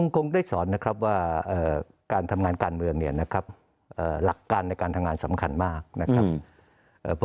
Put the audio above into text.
คงได้สอนนะครับว่าการทำงานการเมืองเนี่ยนะครับหลักการในการทำงานสำคัญมากนะครับ